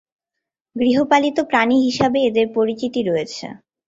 গৃহপালিত প্রাণী হিসেবে এদের পরিচিতি রয়েছে।